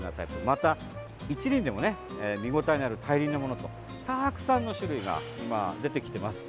また、一輪でもね見応えのある大輪のものとたくさんの種類が今、出てきてます。